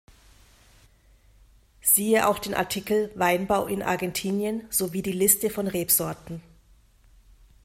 Siehe auch den Artikel Weinbau in Argentinien sowie die Liste von Rebsorten.